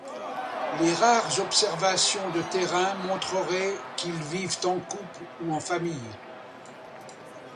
Les rares observations de terrain montreraient qu’ils vivent en couple ou en famille.